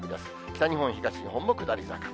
北日本、東日本も下り坂。